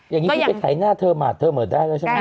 อย่างนี้พี่ไปถ่ายหน้าเธอมาเธอเปิดได้แล้วใช่ไหม